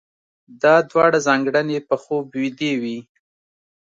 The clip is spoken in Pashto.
دا دواړه ځانګړنې په خوب ويدې وي.